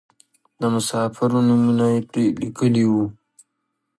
د مسافرو نومونه یې پرې لیکلي وو.